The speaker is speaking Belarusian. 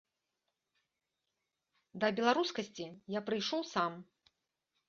Да беларускасці я прыйшоў сам.